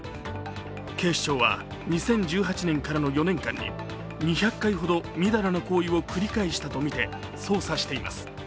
警視庁は２０１８年からの４年間に２００回ほどみだらな行為を繰り返したとみて捜査しています。